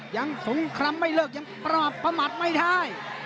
ยังสงครทำไม่เลิกยังปะหมัดไม่ท้าย